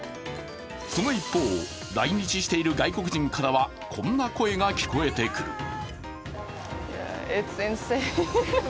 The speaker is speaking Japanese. その一方、来日している外国人からはこんな声が聞こえてくる。